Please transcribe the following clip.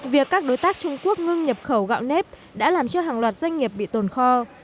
việc các đối tác trung quốc ngưng nhập khẩu gạo nếp đã làm cho hàng loạt doanh nghiệp bị tồn kho